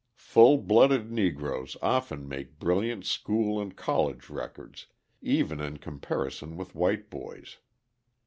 Full blooded Negroes often make brilliant school and college records, even in comparison with white boys.